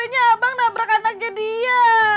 kayaknya abang nabrak anaknya dia